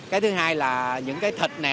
cái thứ hai là những cái thịt nè